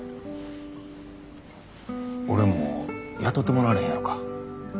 俺も雇てもらわれへんやろか。